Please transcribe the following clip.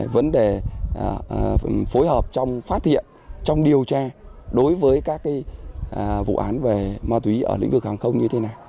vấn đề phối hợp trong phát hiện trong điều tra đối với các vụ án về ma túy ở lĩnh vực hàng không như thế nào